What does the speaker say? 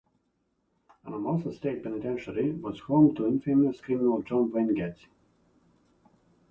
Anamosa State Penitentiary was home to infamous criminal John Wayne Gacy.